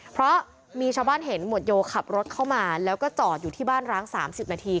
เพราะมีชาวบ้านเห็นหมวดโยขับรถเข้ามาแล้วก็จอดอยู่ที่บ้านร้าง๓๐นาที